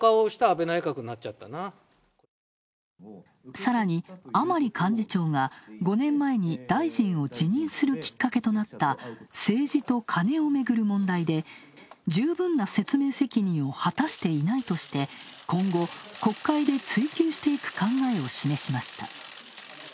さらに、甘利幹事長が５年前に大臣を辞任するきっかけとなった政治とカネをめぐる問題で、十分な説明責任を果たしていないとして、今後、国会で追及していく考えを示しました。